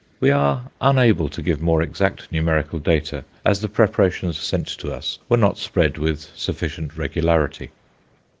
We are unable to give more exact numerical data, as the preparations sent to us were not spread with sufficient regularity.